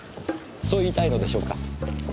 そう言いたいのでしょうか？